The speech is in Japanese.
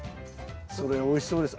それおいしそうです。